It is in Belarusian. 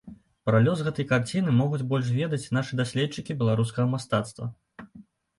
Пра лёс гэтай карціны могуць больш ведаць нашы даследчыкі беларускага мастацтва.